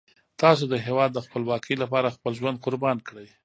تاسو د هیواد د خپلواکۍ لپاره خپل ژوند قربان کړئ.